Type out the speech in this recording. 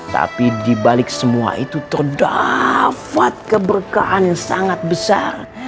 tapi dibalik semua itu terdapat keberkaan sangat besar